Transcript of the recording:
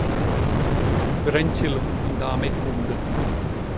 பிரெஞ்சிலும் இந்த அமைப்பு உண்டு.